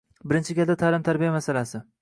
Birinchi galda ta’lim-tarbiya masalasi.